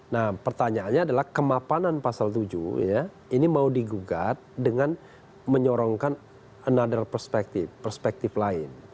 nah pertanyaannya adalah kemapanan pasal tujuh ya ini mau digugat dengan menyorongkan another perspective perspektif lain